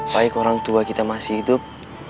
baik orang tua kita masih hidup